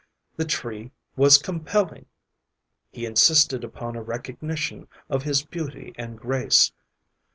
The tree was compelling. He insisted upon a recognition of his beauty and grace.